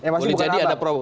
masih bukan ada